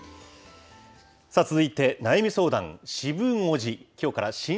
続いて、悩み相談渋護寺。